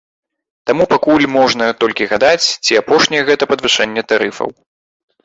Таму пакуль можна толькі гадаць, ці апошняе гэта падвышэнне тарыфаў.